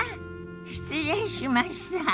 失礼しました。